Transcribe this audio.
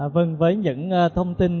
vâng với những thông tin